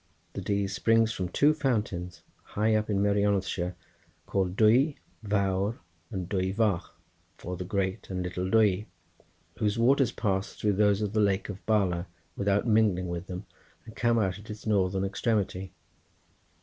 The Dee springs from two fountains, high up in Merionethshire, called Dwy Fawr and Dwy Fach, or the great and little Dwy, whose waters pass through those of the lake of Bala without mingling with them, and come out at its northern extremity.